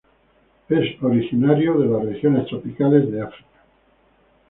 Es originario de las regiones tropicales de África.